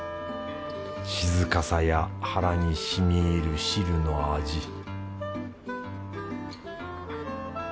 静かさや腹に染み入る汁の味